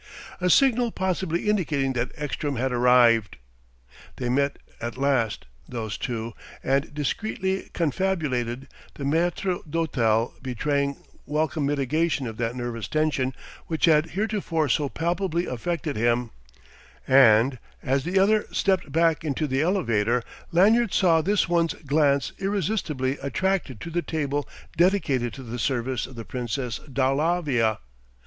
A signal possibly indicating that Ekstrom had arrived They met at last, those two, and discreetly confabulated, the maître d'hôtel betraying welcome mitigation of that nervous tension which had heretofore so palpably affected him; and, as the other stepped back into the elevator, Lanyard saw this one's glance irresistibly attracted to the table dedicated to the service of the Princess de Alavia.